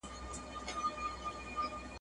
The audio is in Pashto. زمانې داسي مېړونه لږ لیدلي ..